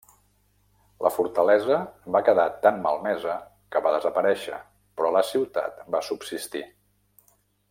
La fortalesa va quedar tan malmesa que va desaparèixer, però la ciutat va subsistir.